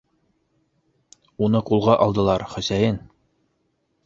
Уны ҡулға алдылар, Хөсәйен.